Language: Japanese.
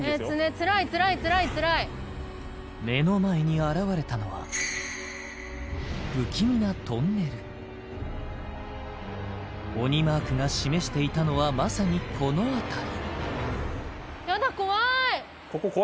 つらいつらいつらい目の前に現れたのは不気味なトンネル鬼マークが示していたのはまさにこの辺りやだ怖ーい！